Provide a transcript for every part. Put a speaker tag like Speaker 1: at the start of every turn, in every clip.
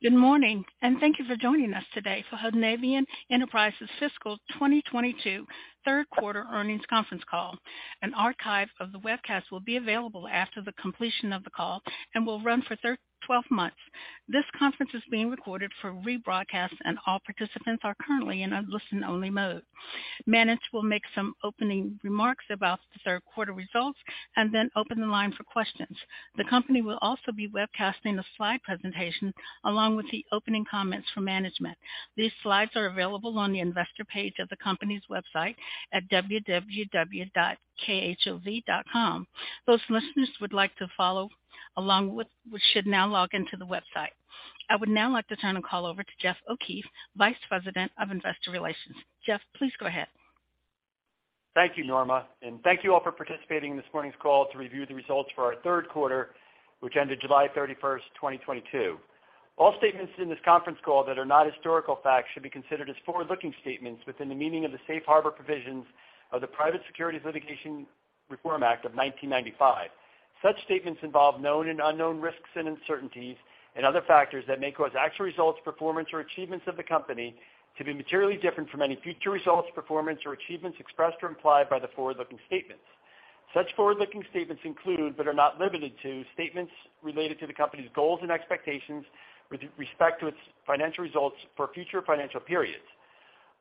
Speaker 1: Good morning, and thank you for joining us today for Hovnanian Enterprises Fiscal 2022 third quarter earnings conference call. An archive of the webcast will be available after the completion of the call and will run for 12 months. This conference is being recorded for rebroadcast, and all participants are currently in a listen-only mode. Management will make some opening remarks about the third quarter results and then open the line for questions. The company will also be webcasting a slide presentation along with the opening comments from management. These slides are available on the investor page of the company's website at www.khov.com. Those listeners who would like to follow along with should now log in to the website. I would now like to turn the call over to Jeff O'Keefe, Vice President of Investor Relations. Jeff, please go ahead.
Speaker 2: Thank you, Norma, and thank you all for participating in this morning's call to review the results for our third quarter, which ended July 31, 2022. All statements in this conference call that are not historical facts should be considered as forward-looking statements within the meaning of the Safe Harbor provisions of the Private Securities Litigation Reform Act of 1995. Such statements involve known and unknown risks and uncertainties and other factors that may cause actual results, performance, or achievements of the company to be materially different from any future results, performance, or achievements expressed or implied by the forward-looking statements. Such forward-looking statements include, but are not limited to, statements related to the company's goals and expectations with respect to its financial results for future financial periods.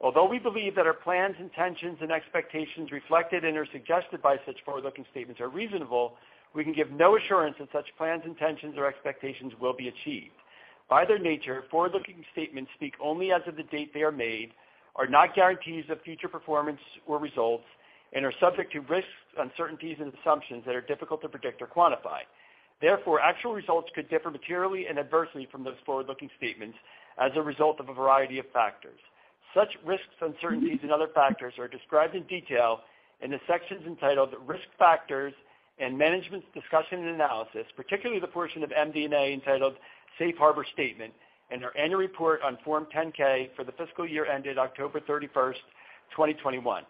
Speaker 2: Although we believe that our plans, intentions, and expectations reflected and/or suggested by such forward-looking statements are reasonable, we can give no assurance that such plans, intentions, or expectations will be achieved. By their nature, forward-looking statements speak only as of the date they are made, are not guarantees of future performance or results, and are subject to risks, uncertainties, and assumptions that are difficult to predict or quantify. Therefore, actual results could differ materially and adversely from those forward-looking statements as a result of a variety of factors. Such risks, uncertainties, and other factors are described in detail in the sections entitled Risk Factors and Management's Discussion and Analysis, particularly the portion of MD&A entitled Safe Harbor Statement, in our annual report on Form 10-K for the fiscal year ended October 31, 2021,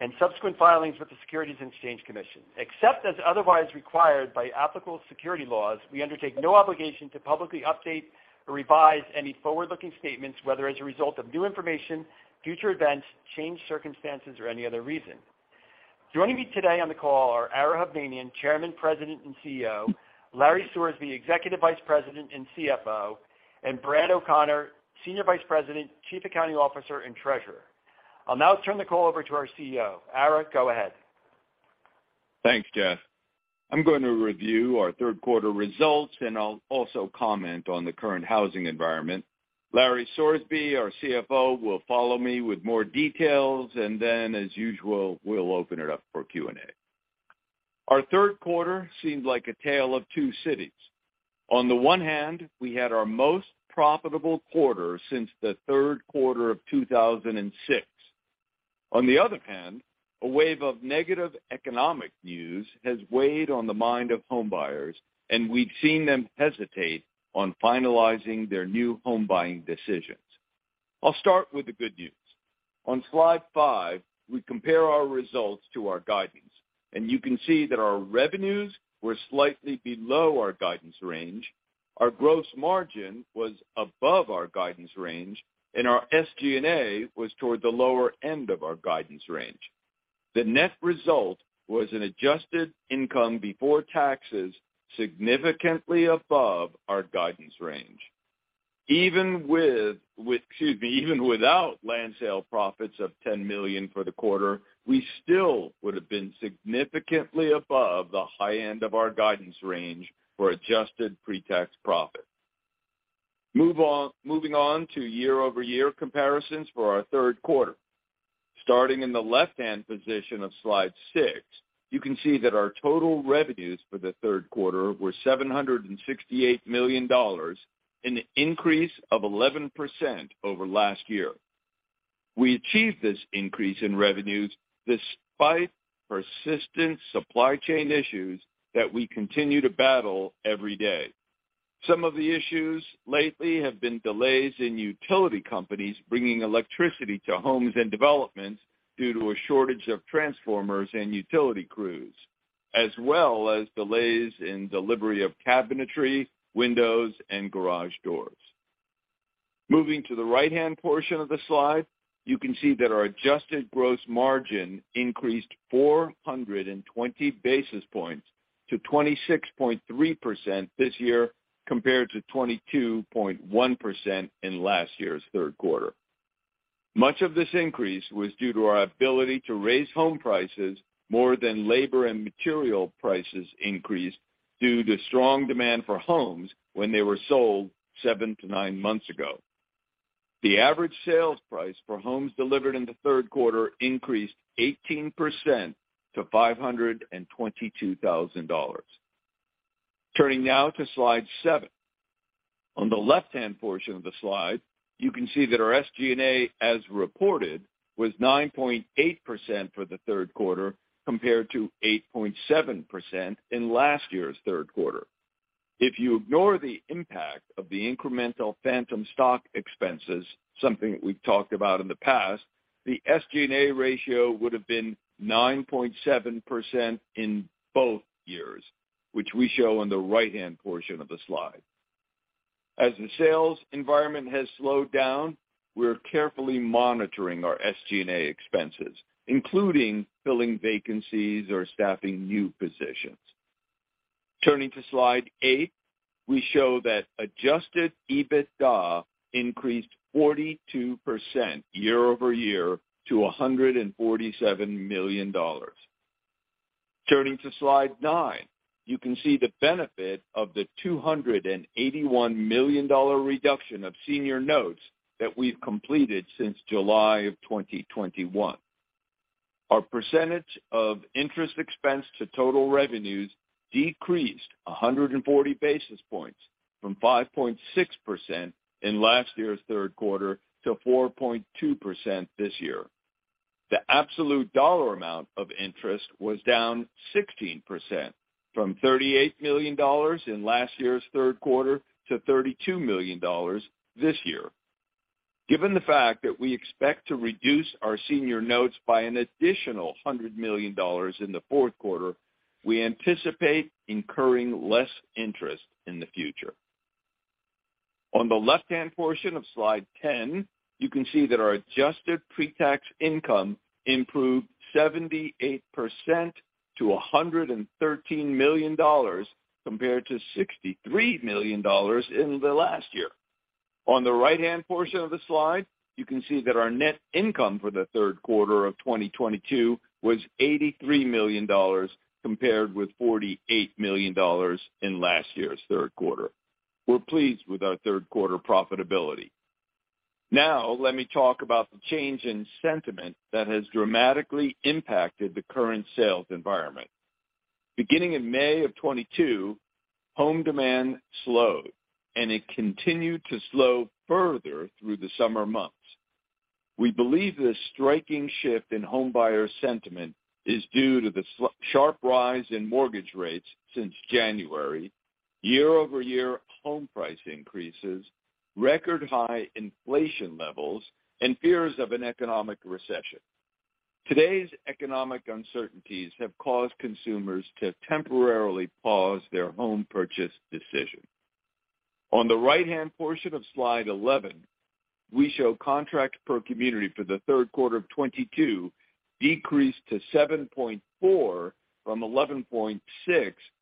Speaker 2: and subsequent filings with the Securities and Exchange Commission. Except as otherwise required by applicable securities laws, we undertake no obligation to publicly update or revise any forward-looking statements, whether as a result of new information, future events, changed circumstances, or any other reason. Joining me today on the call are Ara Hovnanian, Chairman, President, and CEO, Larry Sorsby, Executive Vice President and CFO, and Brad O'Connor, Senior Vice President, Chief Accounting Officer, and Treasurer. I'll now turn the call over to our CEO. Ara, go ahead.
Speaker 3: Thanks, Jeff. I'm going to review our third quarter results, and I'll also comment on the current housing environment. Larry Sorsby, our CFO, will follow me with more details, and then, as usual, we'll open it up for Q&A. Our third quarter seemed like a tale of two cities. On the one hand, we had our most profitable quarter since the third quarter of 2006. On the other hand, a wave of negative economic news has weighed on the mind of homebuyers, and we've seen them hesitate on finalizing their new home buying decisions. I'll start with the good news. On slide 5, we compare our results to our guidance, and you can see that our revenues were slightly below our guidance range, our gross margin was above our guidance range, and our SG&A was toward the lower end of our guidance range. The net result was an adjusted income before taxes significantly above our guidance range. Even without land sale profits of $10 million for the quarter, we still would have been significantly above the high end of our guidance range for adjusted pre-tax profit. Moving on to year-over-year comparisons for our third quarter. Starting in the left-hand position of slide six, you can see that our total revenues for the third quarter were $768 million, an increase of 11% over last year. We achieved this increase in revenues despite persistent supply chain issues that we continue to battle every day. Some of the issues lately have been delays in utility companies bringing electricity to homes and developments due to a shortage of transformers and utility crews, as well as delays in delivery of cabinetry, windows, and garage doors. Moving to the right-hand portion of the slide, you can see that our adjusted gross margin increased 420 basis points to 26.3% this year compared to 22.1% in last year's third quarter. Much of this increase was due to our ability to raise home prices more than labor and material prices increase due to strong demand for homes when they were sold 7-9 months ago. The average sales price for homes delivered in the third quarter increased 18% to $522,000. Turning now to slide 7. On the left-hand portion of the slide, you can see that our SG&A, as reported, was 9.8% for the third quarter compared to 8.7% in last year's third quarter. If you ignore the impact of the incremental phantom stock expenses, something we've talked about in the past, the SG&A ratio would have been 9.7% in both years, which we show on the right-hand portion of the slide. As the sales environment has slowed down, we're carefully monitoring our SG&A expenses, including filling vacancies or staffing new positions. Turning to slide 8, we show that adjusted EBITDA increased 42% year-over-year to $147 million. Turning to slide 9, you can see the benefit of the $281 million reduction of senior notes that we've completed since July of 2021. Our percentage of interest expense to total revenues decreased 140 basis points from 5.6% in last year's third quarter to 4.2% this year. The absolute dollar amount of interest was down 16% from $38 million in last year's third quarter to $32 million this year. Given the fact that we expect to reduce our senior notes by an additional $100 million in the fourth quarter, we anticipate incurring less interest in the future. On the left-hand portion of slide 10, you can see that our adjusted pre-tax income improved 78% to $113 million compared to $63 million in the last year. On the right-hand portion of the slide, you can see that our net income for the third quarter of 2022 was $83 million compared with $48 million in last year's third quarter. We're pleased with our third quarter profitability. Now, let me talk about the change in sentiment that has dramatically impacted the current sales environment. Beginning in May of 2022, home demand slowed, and it continued to slow further through the summer months. We believe this striking shift in home buyer sentiment is due to the sharp rise in mortgage rates since January, year-over-year home price increases, record high inflation levels, and fears of an economic recession. Today's economic uncertainties have caused consumers to temporarily pause their home purchase decision. On the right-hand portion of slide 11, we show contracts per community for the third quarter of 2022 decreased to 7.4 from 11.6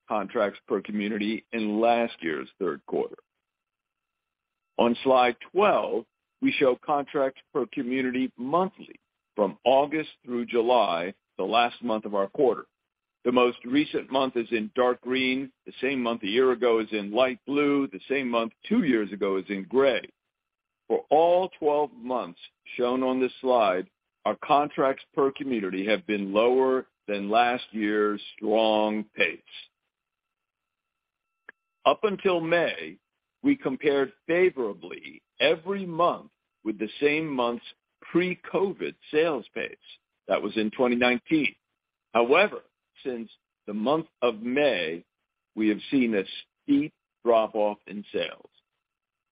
Speaker 3: contracts per community in last year's third quarter. On slide 12, we show contracts per community monthly from August through July, the last month of our quarter. The most recent month is in dark green. The same month a year ago is in light blue. The same month two years ago is in gray. For all 12 months shown on this slide, our contracts per community have been lower than last year's strong pace. Up until May, we compared favorably every month with the same month's pre-COVID sales pace. That was in 2019. However, since the month of May, we have seen a steep drop-off in sales.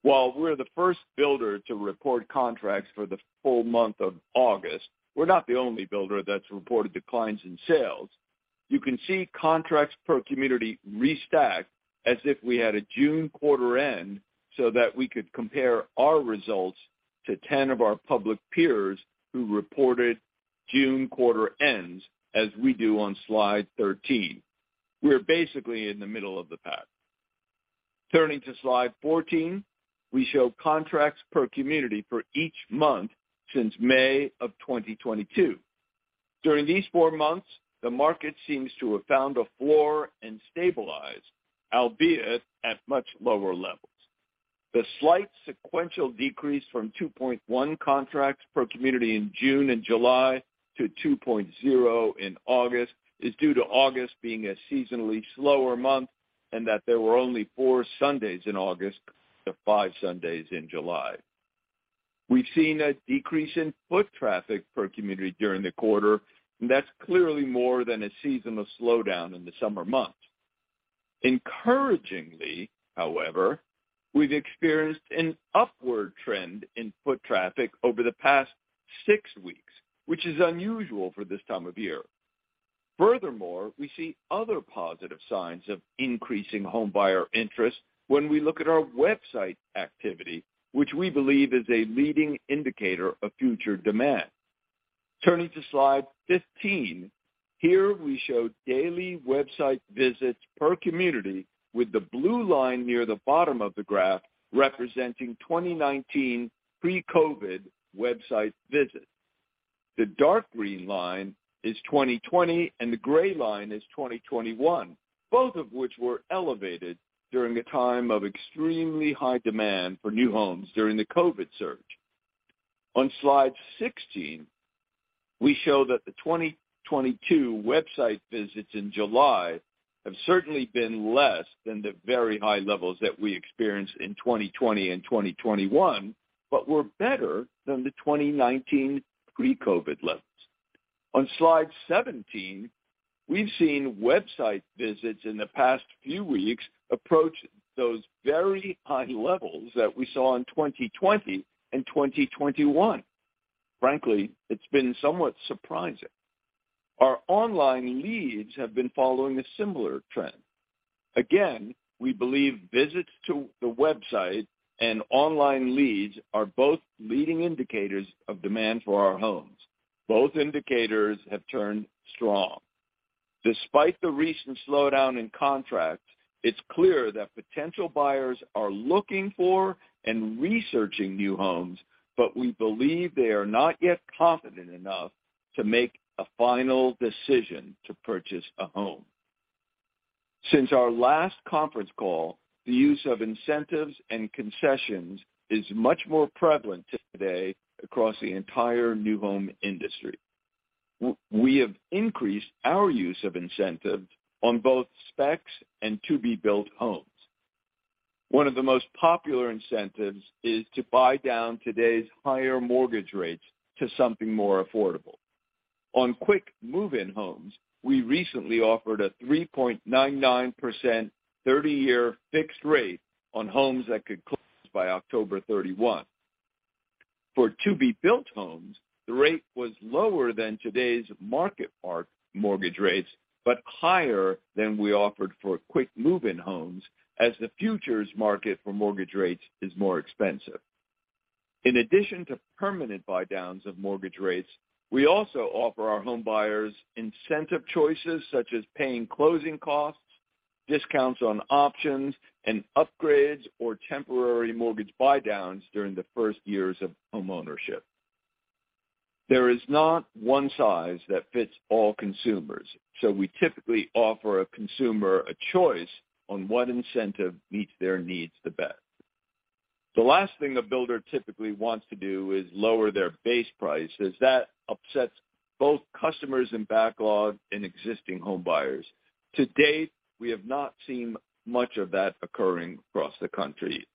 Speaker 3: While we're the first builder to report contracts for the full month of August, we're not the only builder that's reported declines in sales. You can see contracts per community restacked as if we had a June quarter end, so that we could compare our results to 10 of our public peers who reported June quarter ends as we do on slide 13. We're basically in the middle of the pack. Turning to slide 14, we show contracts per community for each month since May of 2022. During these 4 months, the market seems to have found a floor and stabilized, albeit at much lower levels. The slight sequential decrease from 2.1 contracts per community in June and July to 2.0 in August is due to August being a seasonally slower month, and that there were only 4 Sundays in August to 5 Sundays in July. We've seen a decrease in foot traffic per community during the quarter, and that's clearly more than a seasonal slowdown in the summer months. Encouragingly, however, we've experienced an upward trend in foot traffic over the past 6 weeks, which is unusual for this time of year. Furthermore, we see other positive signs of increasing home buyer interest when we look at our website activity, which we believe is a leading indicator of future demand. Turning to slide 15, here we show daily website visits per community with the blue line near the bottom of the graph representing 2019 pre-COVID website visits. The dark green line is 2020, and the gray line is 2021, both of which were elevated during a time of extremely high demand for new homes during the COVID surge. On slide 16, we show that the 2022 website visits in July have certainly been less than the very high levels that we experienced in 2020 and 2021, but were better than the 2019 pre-COVID levels. On slide 17, we've seen website visits in the past few weeks approach those very high levels that we saw in 2020 and 2021. Frankly, it's been somewhat surprising. Our online leads have been following a similar trend. Again, we believe visits to the website and online leads are both leading indicators of demand for our homes. Both indicators have turned strong. Despite the recent slowdown in contracts, it's clear that potential buyers are looking for and researching new homes, but we believe they are not yet confident enough to make a final decision to purchase a home. Since our last conference call, the use of incentives and concessions is much more prevalent today across the entire new home industry. We have increased our use of incentives on both specs and to-be-built homes. One of the most popular incentives is to buy down today's higher mortgage rates to something more affordable. On quick move-in homes, we recently offered a 3.99% 30-year fixed rate on homes that could close by October 31. For to-be-built homes, the rate was lower than today's market rate mortgage rates, but higher than we offered for quick move-in homes as the futures market for mortgage rates is more expensive. In addition to permanent buydowns of mortgage rates, we also offer our home buyers incentive choices such as paying closing costs, discounts on options and upgrades, or temporary mortgage buydowns during the first years of homeownership. There is not one size that fits all consumers, so we typically offer a consumer a choice on what incentive meets their needs the best. The last thing a builder typically wants to do is lower their base price, as that upsets both customers in backlog and existing home buyers. To date, we have not seen much of that occurring across the country.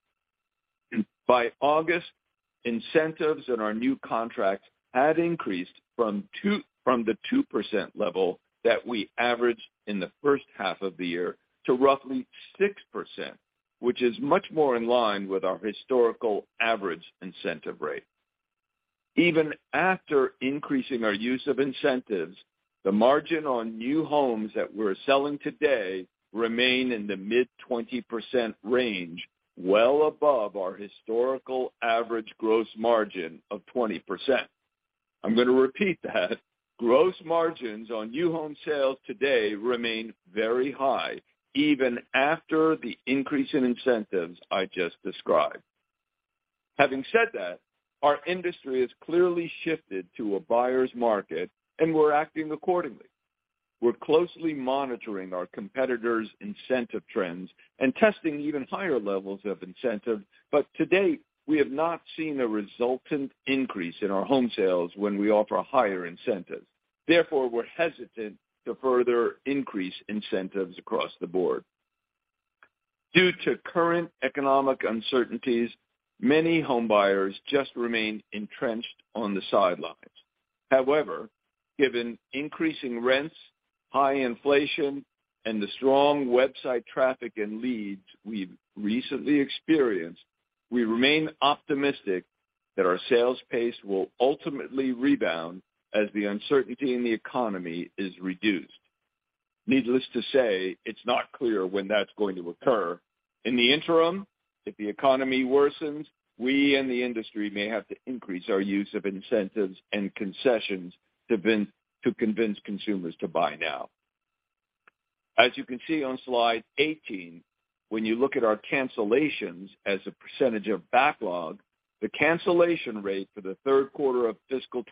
Speaker 3: By August, incentives in our new contracts had increased from the 2% level that we averaged in the first half of the year to roughly 6%, which is much more in line with our historical average incentive rate. Even after increasing our use of incentives, the margin on new homes that we're selling today remain in the mid-20% range, well above our historical average gross margin of 20%. I'm gonna repeat that. Gross margins on new home sales today remain very high, even after the increase in incentives I just described. Having said that, our industry has clearly shifted to a buyer's market, and we're acting accordingly. We're closely monitoring our competitors' incentive trends and testing even higher levels of incentive. To date, we have not seen a resultant increase in our home sales when we offer higher incentives. Therefore, we're hesitant to further increase incentives across the board. Due to current economic uncertainties, many home buyers just remain entrenched on the sidelines. However, given increasing rents, high inflation, and the strong website traffic and leads we've recently experienced, we remain optimistic that our sales pace will ultimately rebound as the uncertainty in the economy is reduced. Needless to say, it's not clear when that's going to occur. In the interim, if the economy worsens, we and the industry may have to increase our use of incentives and concessions to convince consumers to buy now. As you can see on slide 18, when you look at our cancellations as a percentage of backlog, the cancellation rate for the third quarter of fiscal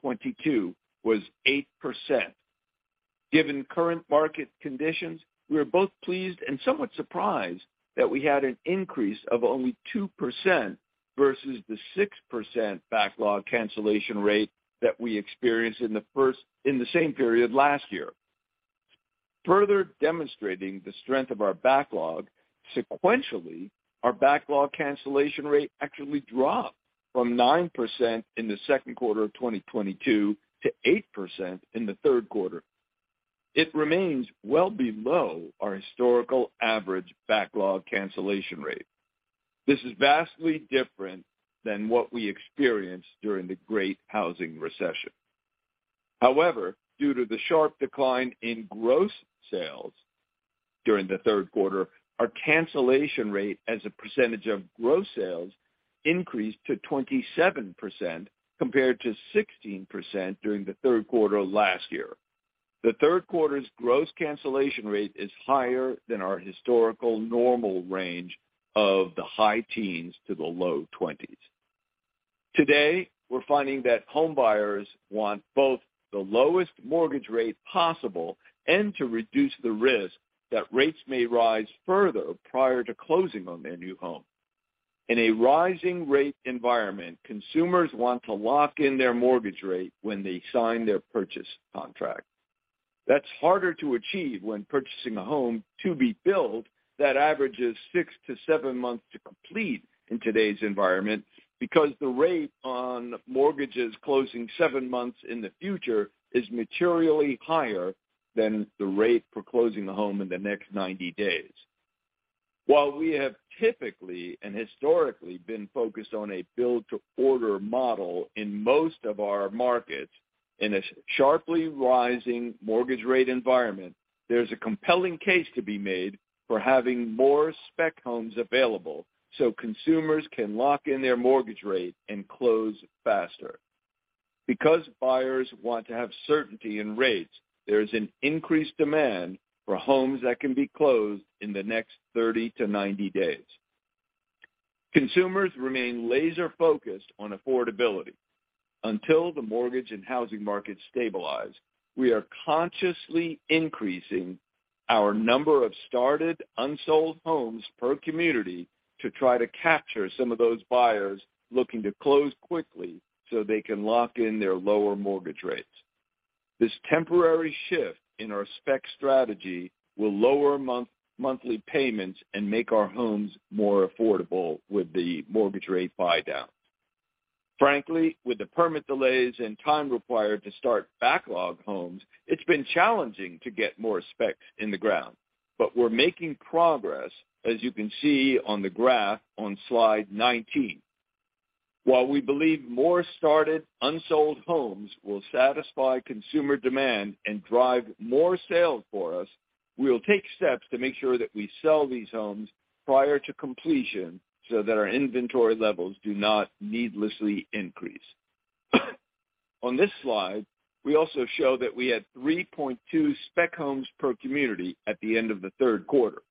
Speaker 3: 2022 was 8%. Given current market conditions, we are both pleased and somewhat surprised that we had an increase of only 2% versus the 6% backlog cancellation rate that we experienced in the same period last year. Further demonstrating the strength of our backlog, sequentially, our backlog cancellation rate actually dropped from 9% in the second quarter of 2022 to 8% in the third quarter. It remains well below our historical average backlog cancellation rate. This is vastly different than what we experienced during the Great Recession. However, due to the sharp decline in gross sales during the third quarter, our cancellation rate as a percentage of gross sales increased to 27%, compared to 16% during the third quarter of last year. The third quarter's gross cancellation rate is higher than our historical normal range of the high teens to the low twenties. Today, we're finding that home buyers want both the lowest mortgage rate possible and to reduce the risk that rates may rise further prior to closing on their new home. In a rising rate environment, consumers want to lock in their mortgage rate when they sign their purchase contract. That's harder to achieve when purchasing a home to be built that averages 6-7 months to complete in today's environment because the rate on mortgages closing 7 months in the future is materially higher than the rate for closing the home in the next 90 days. While we have typically and historically been focused on a Build-to-Order model in most of our markets, in a sharply rising mortgage rate environment, there's a compelling case to be made for having more spec homes available so consumers can lock in their mortgage rate and close faster. Because buyers want to have certainty in rates, there is an increased demand for homes that can be closed in the next 30-90 days. Consumers remain laser-focused on affordability. Until the mortgage and housing markets stabilize, we are consciously increasing our number of started unsold homes per community to try to capture some of those buyers looking to close quickly so they can lock in their lower mortgage rates. This temporary shift in our spec strategy will lower monthly payments and make our homes more affordable with the mortgage rate buydown. Frankly, with the permit delays and time required to start backlog homes, it's been challenging to get more specs in the ground, but we're making progress, as you can see on the graph on slide 19. While we believe more started unsold homes will satisfy consumer demand and drive more sales for us, we'll take steps to make sure that we sell these homes prior to completion so that our inventory levels do not needlessly increase. On this slide, we also show that we had 3.2 spec homes per community at the end of the third quarter.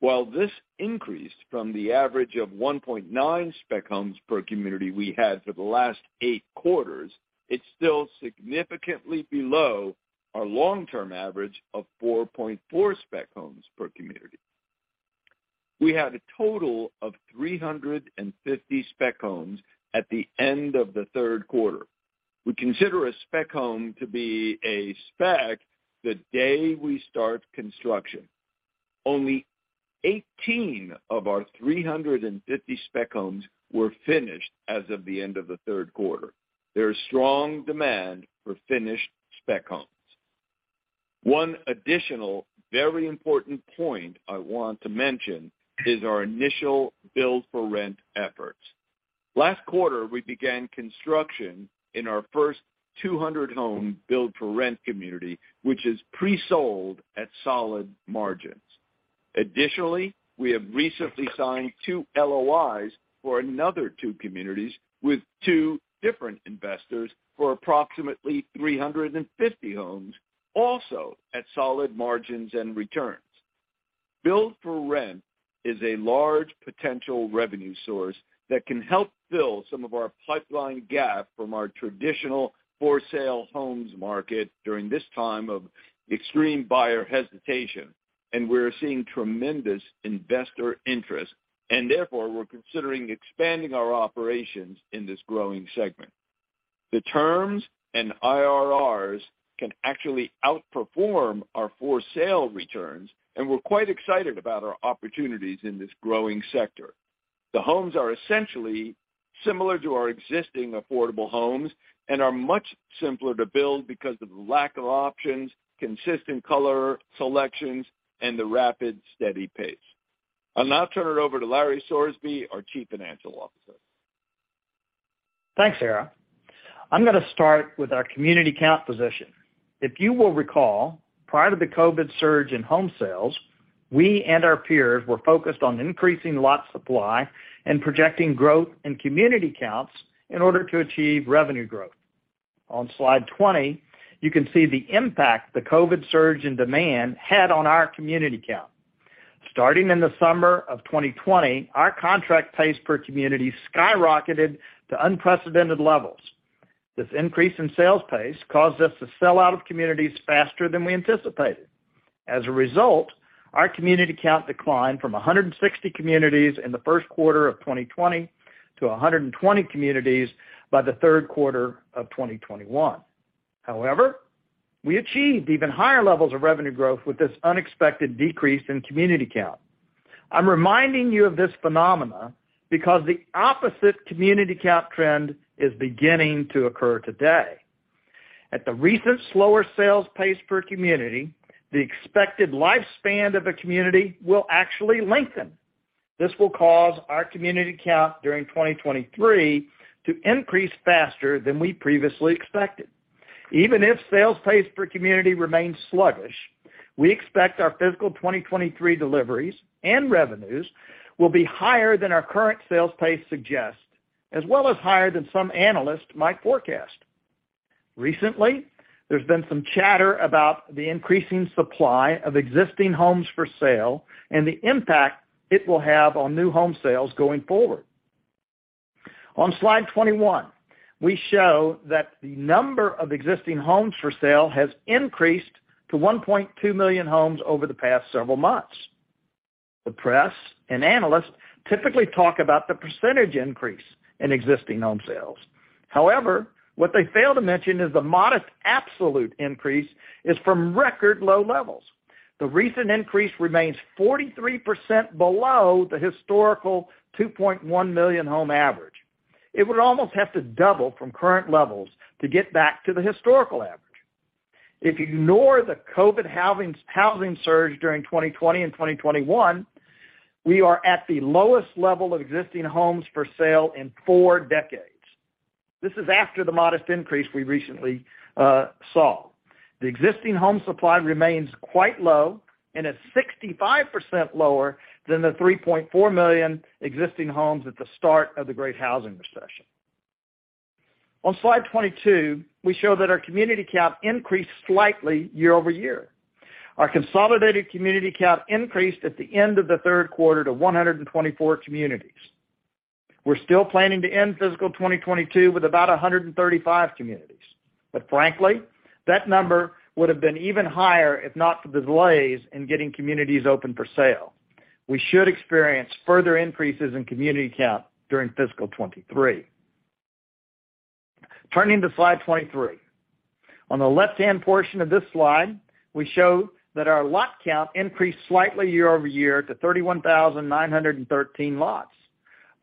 Speaker 3: While this increased from the average of 1.9 spec homes per community we had for the last 8 quarters, it's still significantly below our long-term average of 4.4 spec homes per community. We had a total of 350 spec homes at the end of the third quarter. We consider a spec home to be a spec the day we start construction. Only 18 of our 350 spec homes were finished as of the end of the third quarter. There is strong demand for finished spec homes. One additional very important point I want to mention is our initial build for rent efforts. Last quarter, we began construction in our first 200-home Build for Rent community, which is pre-sold at solid margins. Additionally, we have recently signed 2 LOIs for another 2 communities with 2 different investors for approximately 350 homes, also at solid margins and returns. Build for Rent is a large potential revenue source that can help fill some of our pipeline gap from our traditional for-sale homes market during this time of extreme buyer hesitation, and we're seeing tremendous investor interest, and therefore we're considering expanding our operations in this growing segment. The terms and IRRs can actually outperform our for-sale returns, and we're quite excited about our opportunities in this growing sector. The homes are essentially similar to our existing affordable homes and are much simpler to build because of the lack of options, consistent color selections, and the rapid, steady pace. I'll now turn it over to Larry Sorsby, our Chief Financial Officer.
Speaker 4: Thanks, Ara. I'm gonna start with our community count position. If you will recall, prior to the COVID surge in home sales, we and our peers were focused on increasing lot supply and projecting growth in community counts in order to achieve revenue growth. On slide 20, you can see the impact the COVID surge and demand had on our community count. Starting in the summer of 2020, our contract pace per community skyrocketed to unprecedented levels. This increase in sales pace caused us to sell out of communities faster than we anticipated. As a result, our community count declined from 160 communities in the first quarter of 2020 to 120 communities by the third quarter of 2021. However, we achieved even higher levels of revenue growth with this unexpected decrease in community count. I'm reminding you of this phenomenon because the opposite community count trend is beginning to occur today. At the recent slower sales pace per community, the expected lifespan of a community will actually lengthen. This will cause our community count during 2023 to increase faster than we previously expected. Even if sales pace for community remains sluggish, we expect our fiscal 2023 deliveries and revenues will be higher than our current sales pace suggests, as well as higher than some analysts might forecast. Recently, there's been some chatter about the increasing supply of existing homes for sale and the impact it will have on new home sales going forward. On slide 21, we show that the number of existing homes for sale has increased to 1.2 million homes over the past several months. The press and analysts typically talk about the percentage increase in existing home sales. However, what they fail to mention is the modest absolute increase is from record low levels. The recent increase remains 43% below the historical 2.1 million home average. It would almost have to double from current levels to get back to the historical average. If you ignore the COVID housing surge during 2020 and 2021, we are at the lowest level of existing homes for sale in four decades. This is after the modest increase we recently saw. The existing home supply remains quite low and is 65% lower than the 3.4 million existing homes at the start of the Great Recession. On slide 22, we show that our community count increased slightly year-over-year. Our consolidated community count increased at the end of the third quarter to 124 communities. We're still planning to end fiscal 2022 with about 135 communities. Frankly, that number would have been even higher if not for the delays in getting communities open for sale. We should experience further increases in community count during fiscal 2023. Turning to slide 23. On the left-hand portion of this slide, we show that our lot count increased slightly year-over-year to 31,913 lots.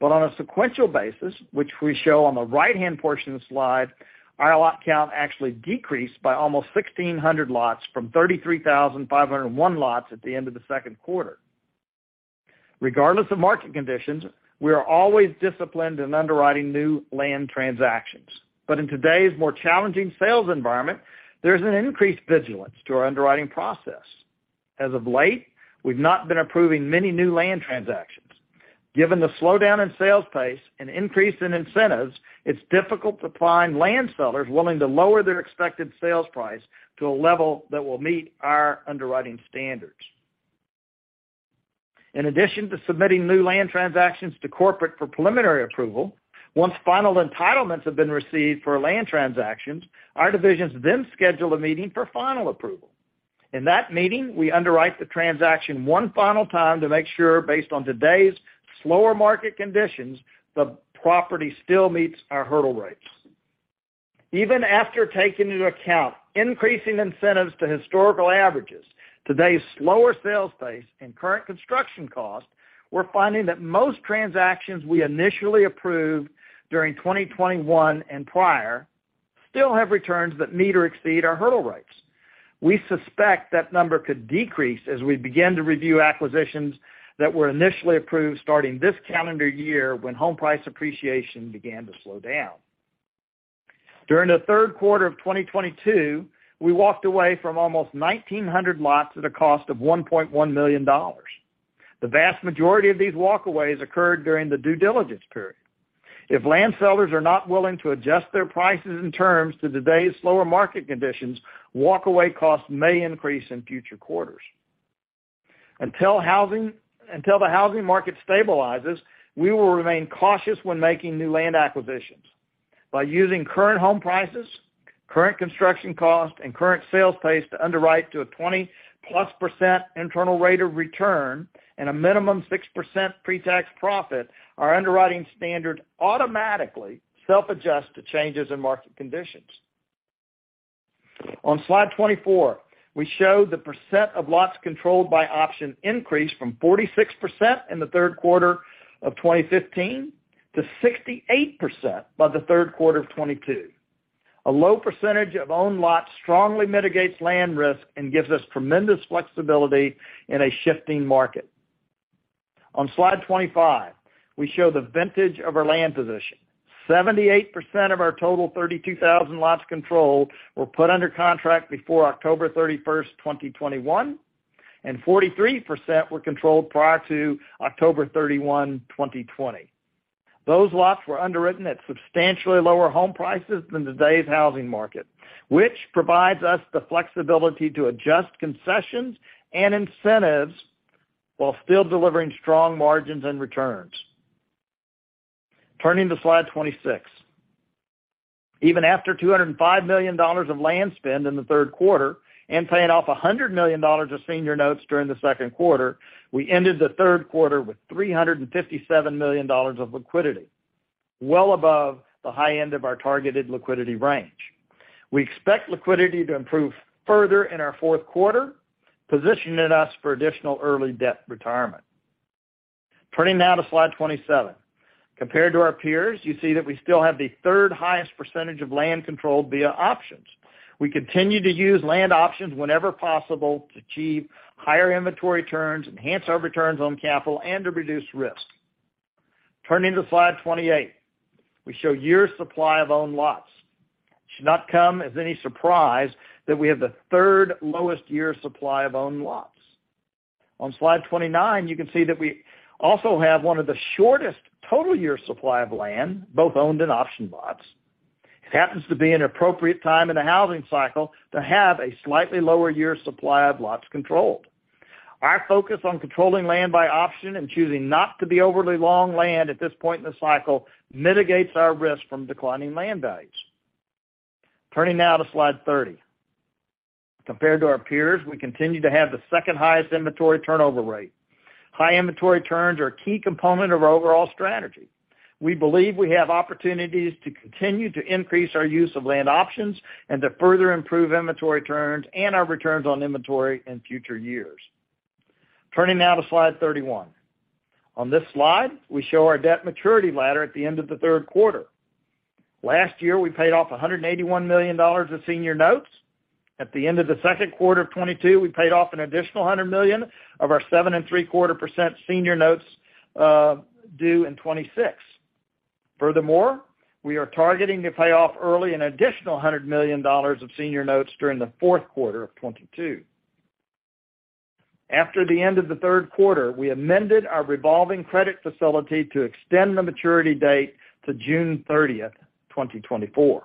Speaker 4: On a sequential basis, which we show on the right-hand portion of the slide, our lot count actually decreased by almost 1,600 lots from 33,501 lots at the end of the second quarter. Regardless of market conditions, we are always disciplined in underwriting new land transactions. In today's more challenging sales environment, there's an increased vigilance to our underwriting process. As of late, we've not been approving many new land transactions. Given the slowdown in sales pace and increase in incentives, it's difficult to find land sellers willing to lower their expected sales price to a level that will meet our underwriting standards. In addition to submitting new land transactions to corporate for preliminary approval, once final entitlements have been received for land transactions, our divisions then schedule a meeting for final approval. In that meeting, we underwrite the transaction one final time to make sure, based on today's slower market conditions, the property still meets our hurdle rates. Even after taking into account increasing incentives to historical averages, today's slower sales pace and current construction cost, we're finding that most transactions we initially approved during 2021 and prior still have returns that meet or exceed our hurdle rates. We suspect that number could decrease as we begin to review acquisitions that were initially approved starting this calendar year when home price appreciation began to slow down. During the third quarter of 2022, we walked away from almost 1,900 lots at a cost of $1.1 million. The vast majority of these walkaways occurred during the due diligence period. If land sellers are not willing to adjust their prices and terms to today's slower market conditions, walkaway costs may increase in future quarters. Until the housing market stabilizes, we will remain cautious when making new land acquisitions. By using current home prices, current construction cost, and current sales pace to underwrite to a 20+% internal rate of return and a minimum 6% pretax profit, our underwriting standard automatically self-adjusts to changes in market conditions. On slide 24, we show the percent of lots controlled by option increased from 46% in the third quarter of 2015 to 68% by the third quarter of 2022. A low percentage of owned lots strongly mitigates land risk and gives us tremendous flexibility in a shifting market. On slide 25, we show the vintage of our land position. 78% of our total 32,000 lots controlled were put under contract before October 31, 2021, and 43% were controlled prior to October 31, 2020. Those lots were underwritten at substantially lower home prices than today's housing market, which provides us the flexibility to adjust concessions and incentives while still delivering strong margins and returns. Turning to slide 26. Even after $205 million of land spend in the third quarter and paying off $100 million of senior notes during the second quarter, we ended the third quarter with $357 million of liquidity, well above the high end of our targeted liquidity range. We expect liquidity to improve further in our fourth quarter, positioning us for additional early debt retirement. Turning now to slide 27. Compared to our peers, you see that we still have the third highest percentage of land controlled via options. We continue to use land options whenever possible to achieve higher inventory turns, enhance our returns on capital, and to reduce risk. Turning to slide 28. We show year supply of owned lots. It should not come as any surprise that we have the 3rd lowest year supply of owned lots. On slide 29, you can see that we also have one of the shortest total year supply of land, both owned and option lots. It happens to be an appropriate time in the housing cycle to have a slightly lower year supply of lots controlled. Our focus on controlling land by option and choosing not to be overly long land at this point in the cycle mitigates our risk from declining land values. Turning now to slide 30. Compared to our peers, we continue to have the 2nd highest inventory turnover rate. High inventory turns are a key component of our overall strategy. We believe we have opportunities to continue to increase our use of land options and to further improve inventory turns and our returns on inventory in future years. Turning now to slide 31. On this slide, we show our debt maturity ladder at the end of the third quarter. Last year, we paid off $181 million of senior notes. At the end of the second quarter of 2022, we paid off an additional $100 million of our 7.75% senior notes due in 2026. Furthermore, we are targeting to pay off early an additional $100 million of senior notes during the fourth quarter of 2022. After the end of the third quarter, we amended our revolving credit facility to extend the maturity date to June 30, 2024.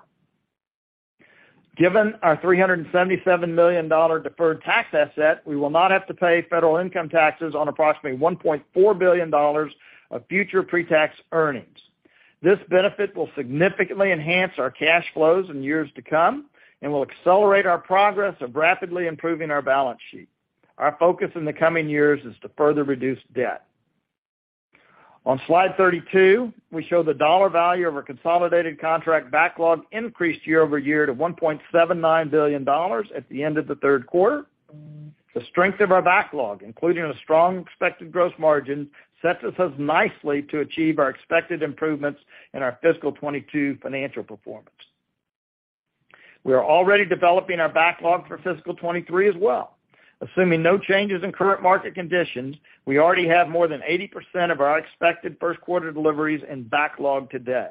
Speaker 4: Given our $377 million deferred tax asset, we will not have to pay federal income taxes on approximately $1.4 billion of future pre-tax earnings. This benefit will significantly enhance our cash flows in years to come and will accelerate our progress of rapidly improving our balance sheet. Our focus in the coming years is to further reduce debt. On slide 32, we show the dollar value of our consolidated contract backlog increased year-over-year to $1.79 billion at the end of the third quarter. The strength of our backlog, including a strong expected gross margin, sets us up nicely to achieve our expected improvements in our fiscal 2022 financial performance. We are already developing our backlog for fiscal 2023 as well. Assuming no changes in current market conditions, we already have more than 80% of our expected first quarter deliveries in backlog today.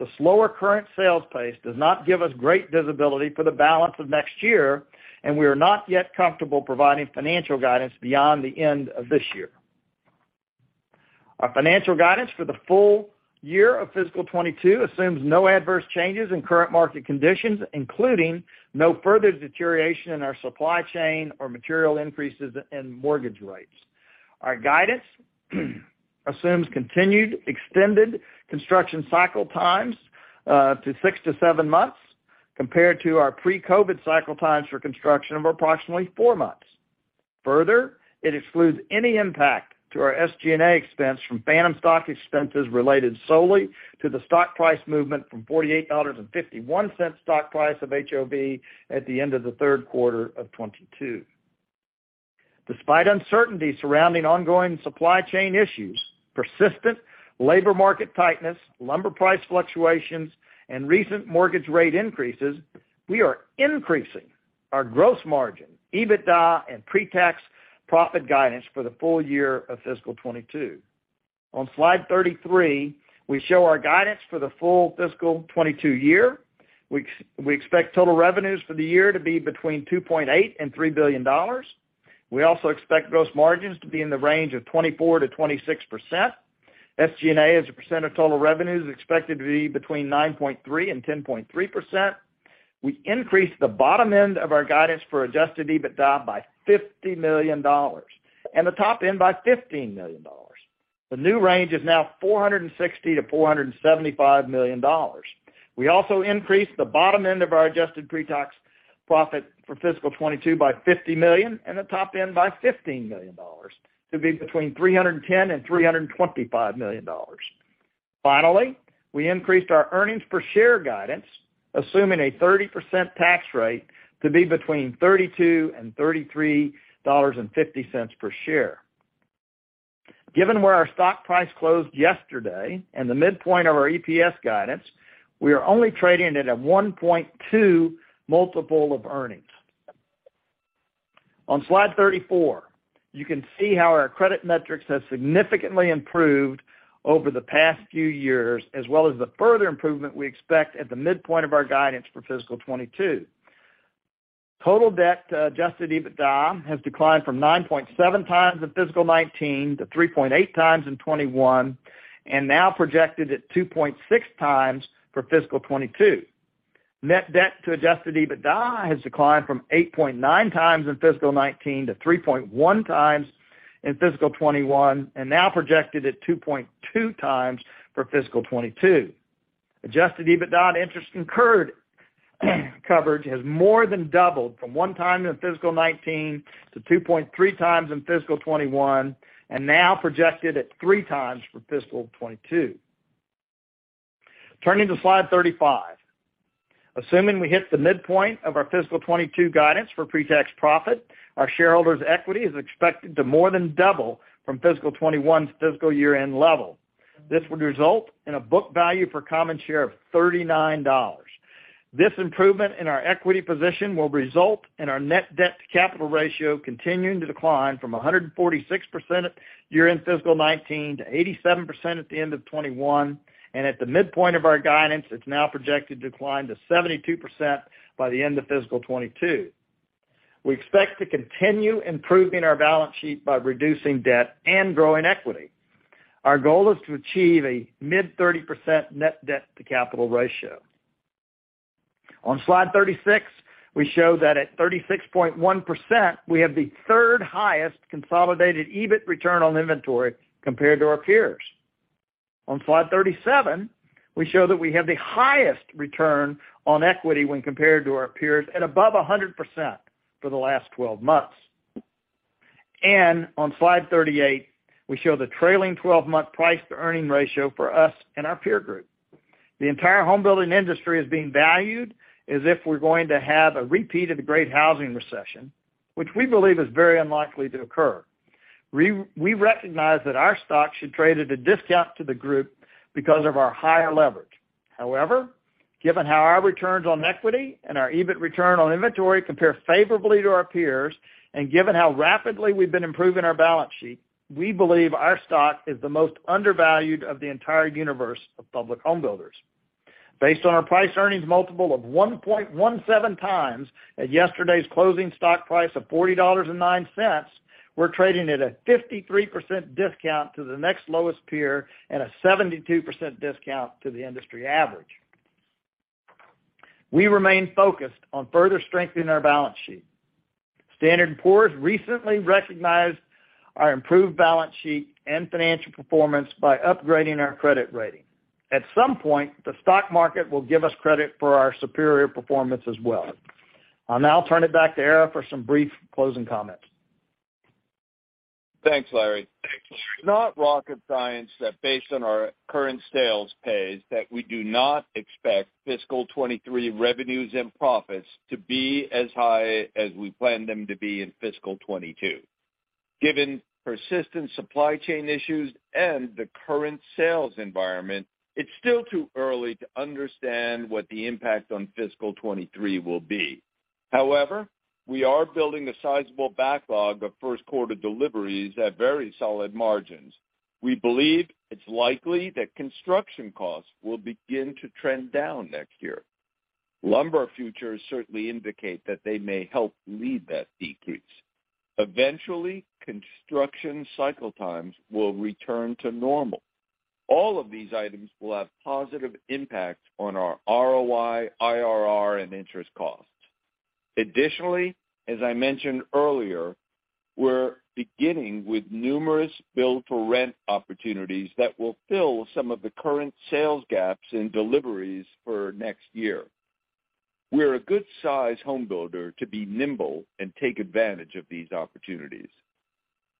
Speaker 4: The slower current sales pace does not give us great visibility for the balance of next year, and we are not yet comfortable providing financial guidance beyond the end of this year. Our financial guidance for the full year of fiscal 2022 assumes no adverse changes in current market conditions, including no further deterioration in our supply chain or material increases in mortgage rates. Our guidance assumes continued extended construction cycle times to 6-7 months compared to our pre-COVID cycle times for construction of approximately four months. Further, it excludes any impact to our SG&A expense from phantom stock expenses related solely to the stock price movement from $48.51 stock price of HOV at the end of the third quarter of 2022. Despite uncertainty surrounding ongoing supply chain issues, persistent labor market tightness, lumber price fluctuations, and recent mortgage rate increases, we are increasing our gross margin, EBITDA, and pre-tax profit guidance for the full year of fiscal 2022. On slide 33, we show our guidance for the full fiscal 2022 year. We expect total revenues for the year to be between $2.8 billion and $3 billion. We also expect gross margins to be in the range of 24%-26%. SG&A, as a percent of total revenue, is expected to be between 9.3% and 10.3%. We increased the bottom end of our guidance for adjusted EBITDA by $50 million and the top end by $15 million. The new range is now $460 million-$475 million. We also increased the bottom end of our adjusted pre-tax profit for fiscal 2022 by $50 million and the top end by $15 million to be between $310 million-$325 million. Finally, we increased our earnings per share guidance, assuming a 30% tax rate to be between $32-$33.50 per share. Given where our stock price closed yesterday and the midpoint of our EPS guidance, we are only trading at a 1.2x multiple of earnings. On slide 34, you can see how our credit metrics have significantly improved over the past few years, as well as the further improvement we expect at the midpoint of our guidance for fiscal 2022. Total debt to adjusted EBITDA has declined from 9.7 times in fiscal 2019 to 3.8 times in 2021, and now projected at 2.6 times for fiscal 2022. Net debt to adjusted EBITDA has declined from 8.9 times in fiscal 2019 to 3.1 times in fiscal 2021, and now projected at 2.2 times for fiscal 2022. Adjusted EBITDA and interest incurred coverage has more than doubled from 1 time in fiscal 2019 to 2.3 times in fiscal 2021, and now projected at 3 times for fiscal 2022. Turning to slide 35. Assuming we hit the midpoint of our fiscal 2022 guidance for pre-tax profit, our shareholders' equity is expected to more than double from fiscal 2021's fiscal year-end level. This would result in a book value for common share of $39. This improvement in our equity position will result in our net debt-to-capital ratio continuing to decline from 146% year-end fiscal 2019 to 87% at the end of 2021. At the midpoint of our guidance, it's now projected to decline to 72% by the end of fiscal 2022. We expect to continue improving our balance sheet by reducing debt and growing equity. Our goal is to achieve a mid-30% net debt-to-capital ratio. On slide 36, we show that at 36.1%, we have the third highest consolidated EBIT return on inventory compared to our peers. On slide 37, we show that we have the highest return on equity when compared to our peers at above 100% for the last 12 months. On slide 38, we show the trailing 12-month price-to-earnings ratio for us and our peer group. The entire home building industry is being valued as if we're going to have a repeat of the Great Housing Recession, which we believe is very unlikely to occur. We recognize that our stock should trade at a discount to the group because of our higher leverage. However, given how our returns on equity and our EBIT return on inventory compare favorably to our peers, and given how rapidly we've been improving our balance sheet, we believe our stock is the most undervalued of the entire universe of public homebuilders. Based on our price-earnings multiple of 1.17x at yesterday's closing stock price of $40.09, we're trading at a 53% discount to the next lowest peer and a 72% discount to the industry average. We remain focused on further strengthening our balance sheet. Standard & Poor's recently recognized our improved balance sheet and financial performance by upgrading our credit rating. At some point, the stock market will give us credit for our superior performance as well. I'll now turn it back to Ara for some brief closing comments.
Speaker 3: Thanks, Larry. It's not rocket science that based on our current sales pace, that we do not expect fiscal 2023 revenues and profits to be as high as we planned them to be in fiscal 2022. Given persistent supply chain issues and the current sales environment, it's still too early to understand what the impact on fiscal 2023 will be. However, we are building a sizable backlog of first quarter deliveries at very solid margins. We believe it's likely that construction costs will begin to trend down next year. Lumber futures certainly indicate that they may help lead that decrease. Eventually, construction cycle times will return to normal. All of these items will have positive impact on our ROI, IRR, and interest costs. Additionally, as I mentioned earlier, we're beginning with numerous build-to-rent opportunities that will fill some of the current sales gaps in deliveries for next year. We're a good size homebuilder to be nimble and take advantage of these opportunities.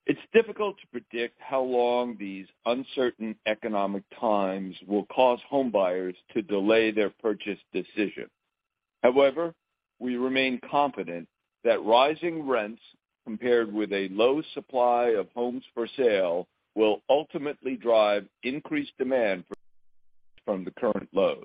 Speaker 3: It's difficult to predict how long these uncertain economic times will cause homebuyers to delay their purchase decision. However, we remain confident that rising rents compared with a low supply of homes for sale will ultimately drive increased demand from the current lows.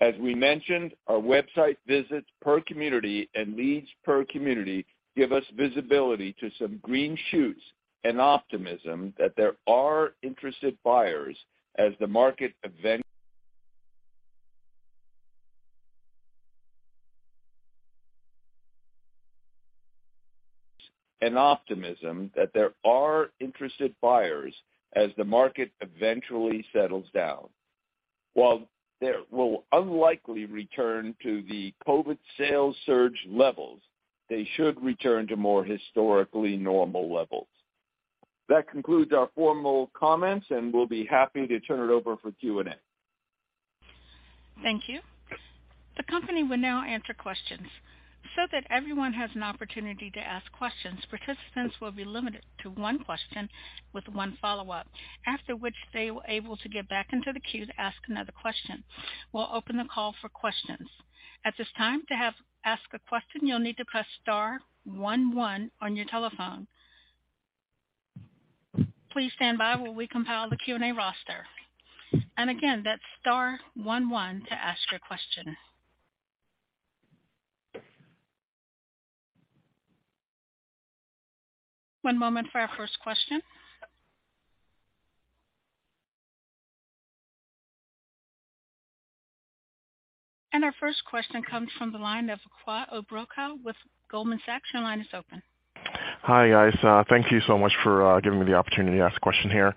Speaker 3: As we mentioned, our website visits per community and leads per community give us visibility to some green shoots and optimism that there are interested buyers as the market eventually settles down. While they will unlikely return to the COVID sales surge levels, they should return to more historically normal levels. That concludes our formal comments, and we'll be happy to turn it over for Q&A.
Speaker 1: Thank you. The company will now answer questions. That everyone has an opportunity to ask questions, participants will be limited to one question with one follow-up, after which they will be able to get back into the queue to ask another question. We'll open the call for questions. At this time, to ask a question you'll need to press star one one on your telephone. Please stand by while we compile the Q&A roster. Again, that's star one one to ask your question. One moment for our first question. Our first question comes from the line of Kwaku Abrokwah with Goldman Sachs. Your line is open.
Speaker 5: Hi, guys. Thank you so much for giving me the opportunity to ask a question here.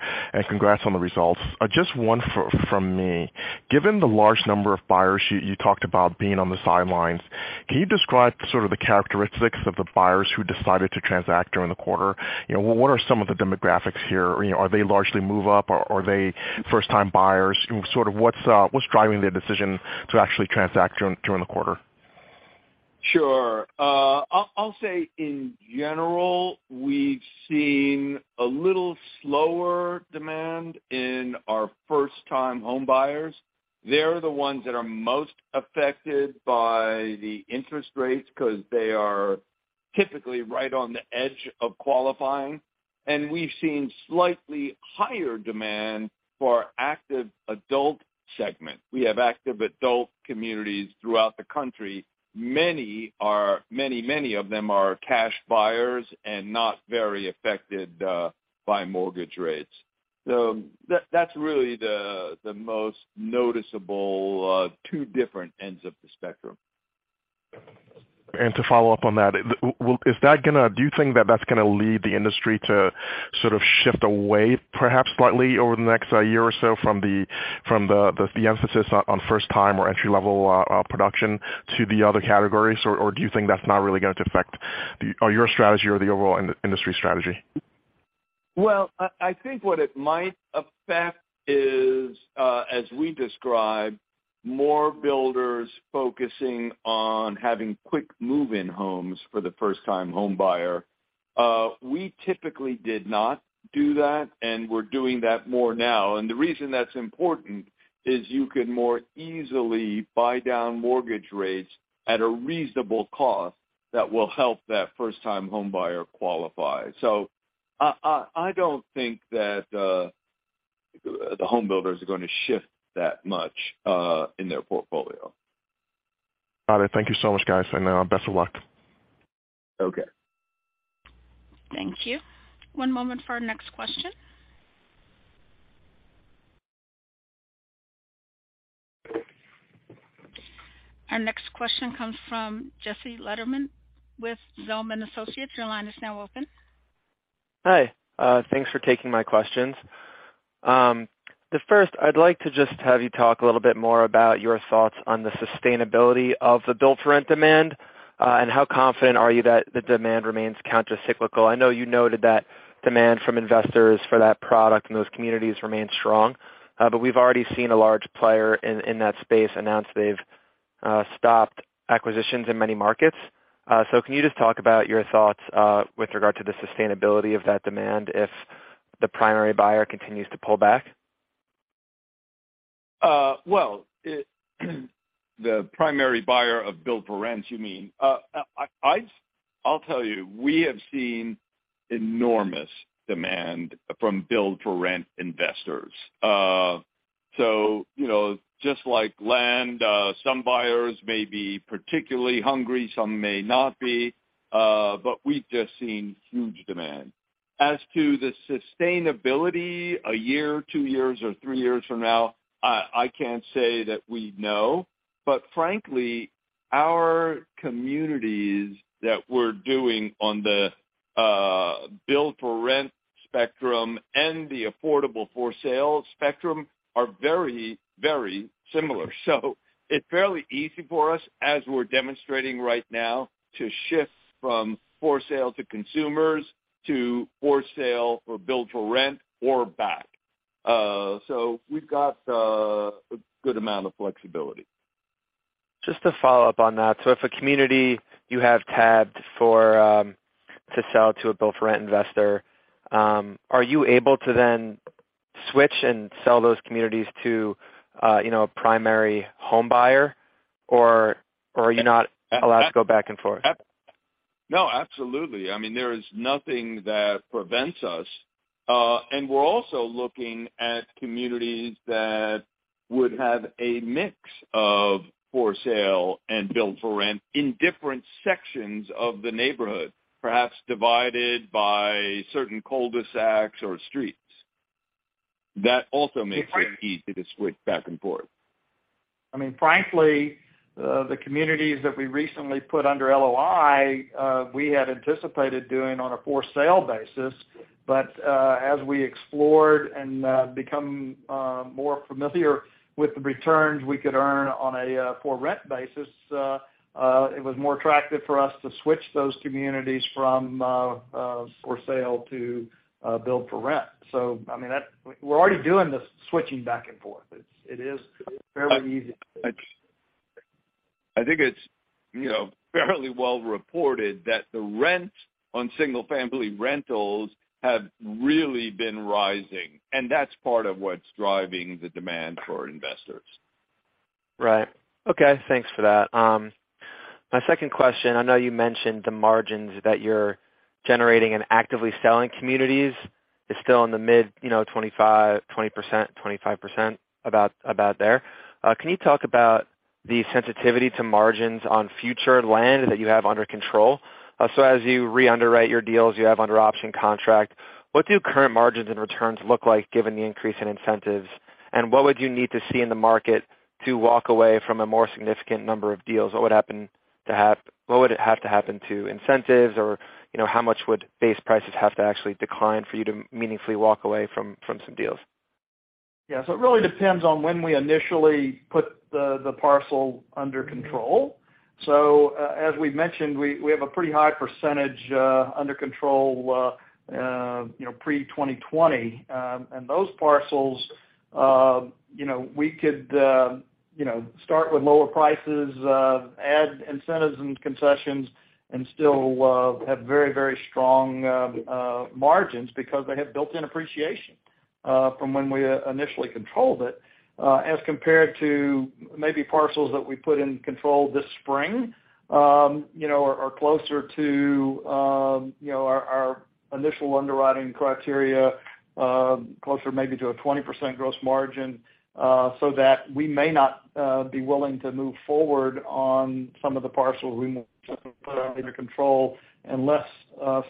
Speaker 5: Congrats on the results. Just one from me. Given the large number of buyers you talked about being on the sidelines, can you describe sort of the characteristics of the buyers who decided to transact during the quarter? You know, what are some of the demographics here? You know, are they largely move up? Are they first-time buyers? Sort of what's driving their decision to actually transact during the quarter?
Speaker 3: Sure. I'll say in general, we've seen a little slower demand in our first-time homebuyers. They're the ones that are most affected by the interest rates because they are typically right on the edge of qualifying, and we've seen slightly higher demand for our active adult segment. We have active adult communities throughout the country. Many of them are cash buyers and not very affected by mortgage rates. That's really the most noticeable two different ends of the spectrum.
Speaker 5: To follow up on that, do you think that that's gonna lead the industry to sort of shift away perhaps slightly over the next year or so from the emphasis on first time or entry-level production to the other categories? Or do you think that's not really going to affect, or your strategy or the overall industry strategy?
Speaker 3: Well, I think what it might affect is, as we described, more builders focusing on having quick move-in homes for the first-time homebuyer. We typically did not do that, and we're doing that more now. The reason that's important is you can more easily buy down mortgage rates at a reasonable cost that will help that first-time homebuyer qualify. I don't think that the home builders are gonna shift that much in their portfolio. All right. Thank you so much, guys, and best of luck. Okay.
Speaker 1: Thank you. One moment for our next question. Our next question comes from Jesse Lederman with Zelman & Associates. Your line is now open.
Speaker 6: Hi. Thanks for taking my questions. The first, I'd like to just have you talk a little bit more about your thoughts on the sustainability of the build-to-rent demand, and how confident are you that the demand remains countercyclical. I know you noted that demand from investors for that product in those communities remains strong, but we've already seen a large player in that space announce they've stopped acquisitions in many markets. So can you just talk about your thoughts with regard to the sustainability of that demand if the primary buyer continues to pull back?
Speaker 3: Well, the primary buyer of build-for-rent, you mean? I'll tell you, we have seen enormous demand from build-for-rent investors. You know, just like land, some buyers may be particularly hungry, some may not be, but we've just seen huge demand. As to the sustainability a year, two years, or three years from now, I can't say that we know. Frankly, our communities that we're doing on the build-for-rent spectrum and the affordable for-sale spectrum are very, very similar. It's fairly easy for us, as we're demonstrating right now, to shift from for-sale to consumers to for-sale or build-for-rent or back. We've got a good amount of flexibility.
Speaker 6: Just to follow up on that. If a community you have tabbed for, to sell to a build-for-rent investor, are you able to then switch and sell those communities to, you know, a primary homebuyer, or are you not allowed to go back and forth?
Speaker 3: No, absolutely. I mean, there is nothing that prevents us. We're also looking at communities that would have a mix of for sale and Build for Rent in different sections of the neighborhood, perhaps divided by certain cul-de-sacs or streets. That also makes it easy to switch back and forth.
Speaker 4: I mean, frankly, the communities that we recently put under LOI, we had anticipated doing on a for sale basis. As we explored and become more familiar with the returns we could earn on a for rent basis, it was more attractive for us to switch those communities from for sale to build for rent. I mean, that. We're already doing the switching back and forth. It is fairly easy.
Speaker 3: I think it's, you know, fairly well reported that the rent on single-family rentals have really been rising, and that's part of what's driving the demand for investors.
Speaker 6: Right. Okay, thanks for that. My second question, I know you mentioned the margins that you're generating in actively selling communities is still in the mid 25, 20%, 25%, about there. Can you talk about the sensitivity to margins on future land that you have under control? So as you re-underwrite your deals you have under option contract, what do current margins and returns look like given the increase in incentives? And what would you need to see in the market to walk away from a more significant number of deals? What would it have to happen to incentives or, you know, how much would base prices have to actually decline for you to meaningfully walk away from some deals?
Speaker 4: Yeah. It really depends on when we initially put the parcel under control. As we've mentioned, we have a pretty high percentage under control, you know, pre-2020. And those parcels, you know, we could, you know, start with lower prices, add incentives and concessions and still have very strong margins because they have built-in appreciation from when we initially controlled it. As compared to maybe parcels that we put in control this spring, you know, are closer to, you know, our initial underwriting criteria, closer maybe to a 20% gross margin, so that we may not be willing to move forward on some of the parcels we want to put under control unless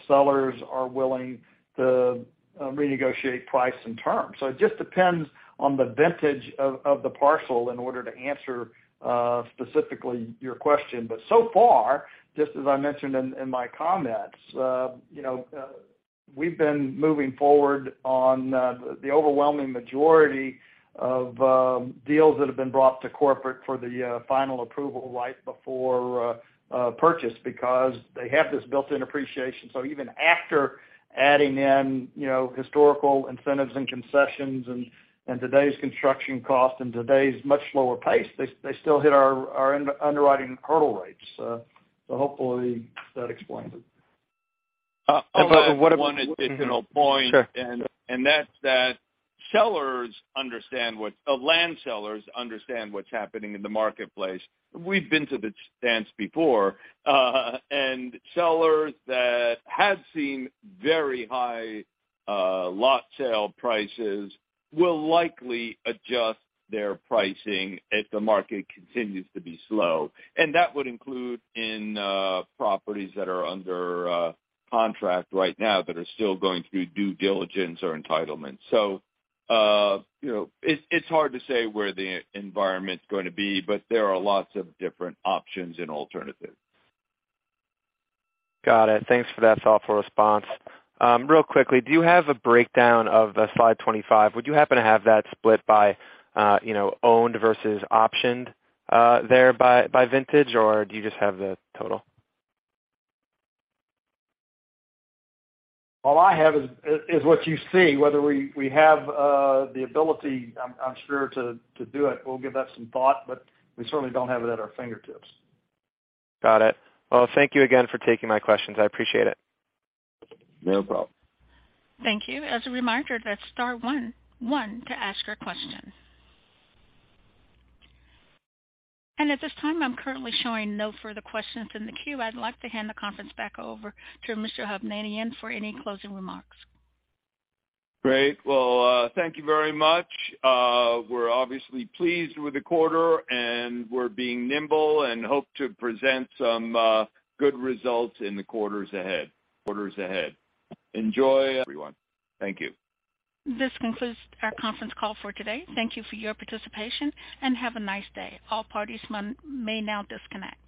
Speaker 4: sellers are willing to renegotiate price and terms. It just depends on the vintage of the parcel in order to answer specifically your question. So far, just as I mentioned in my comments, you know, we've been moving forward on the overwhelming majority of deals that have been brought to corporate for the final approval right before purchase because they have this built-in appreciation. Even after adding in, you know, historical incentives and concessions and today's construction cost and today's much lower pace, they still hit our underwriting hurdle rates. Hopefully that explains it.
Speaker 3: One additional point.
Speaker 6: Sure.
Speaker 3: Land sellers understand what's happening in the marketplace. We've been to this dance before. Sellers that have seen very high lot sale prices will likely adjust their pricing if the market continues to be slow. That would include in properties that are under contract right now that are still going through due diligence or entitlement. You know, it's hard to say where the environment's gonna be, but there are lots of different options and alternatives.
Speaker 6: Got it. Thanks for that thoughtful response. Real quickly. Do you have a breakdown of the slide 25? Would you happen to have that split by, you know, owned versus optioned, there by vintage, or do you just have the total?
Speaker 4: All I have is what you see, whether we have the ability, I'm sure to do it. We'll give that some thought, but we certainly don't have it at our fingertips.
Speaker 6: Got it. Well, thank you again for taking my questions. I appreciate it.
Speaker 3: No problem.
Speaker 1: Thank you. As a reminder, that's star one to ask your question. At this time, I'm currently showing no further questions in the queue. I'd like to hand the conference back over to Mr. Hovnanian for any closing remarks.
Speaker 3: Great. Well, thank you very much. We're obviously pleased with the quarter, and we're being nimble and hope to present some good results in the quarters ahead. Enjoy, everyone. Thank you.
Speaker 1: This concludes our conference call for today. Thank you for your participation, and have a nice day. All parties may now disconnect.